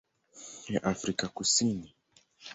ya Afrika Kusini.